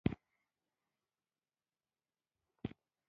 لاسونه د پلار کارونه کوي